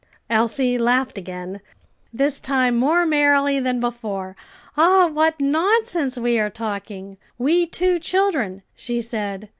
Elsie laughed again, this time more merrily than before. "Ah, what nonsense we are talking we two children," she said.